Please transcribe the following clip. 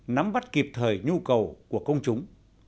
nắm bắt kịp thời nhu cầu của công chúng